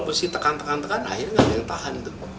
bersih tekan tekan tekan akhirnya nggak ada yang tahan